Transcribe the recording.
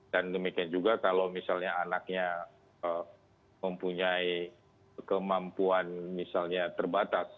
dan demikian juga kalau misalnya anaknya mempunyai kemampuan misalnya terbatas